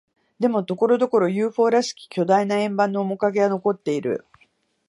でも、ところどころ、ＵＦＯ らしき巨大な円盤の面影は残っている。